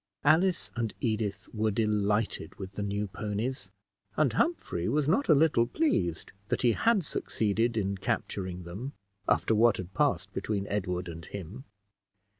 Alice and Edith were delighted with the new ponies, and Humphrey was not a little pleased that he had succeeded in capturing them, after what had passed between Edward and him.